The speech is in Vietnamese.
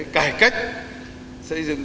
cải cách xây dựng